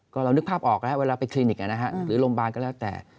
ก็เรานึกภาพออกแล้วเวลาไปคลินิกหรือโรงพยาบาลก็แล้วแต่